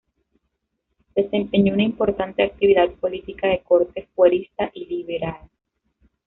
Desempeñó una importante actividad política de corte fuerista y liberal.